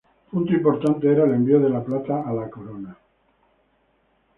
Punto importante era el envío de la plata a la Corona.